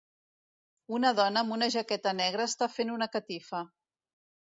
Una dona amb una jaqueta negra està fent una catifa